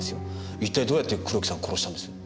一体どうやって黒木さんを殺したんです？